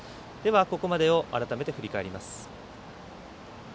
ここまでを改めて振り返ります。